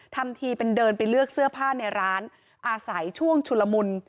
ทำทีเป็นเดินไปเลือกเสื้อผ้าในร้านอาศัยช่วงชุลมุน